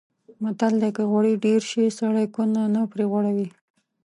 متل دی: که غوړي ډېر شي سړی کونه نه پرې غوړوي.